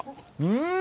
うん！